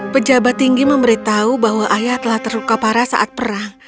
pejabat tinggi memberitahu bahwa ayah telah terluka parah saat perang